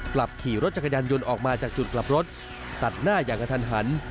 กลับขี่รถจักรยานยนต์ออกมาจากจุดกลับรถตัดหน้าอย่างกระทันหัน